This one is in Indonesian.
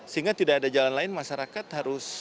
sehingga tidak ada jalan lain masyarakat harus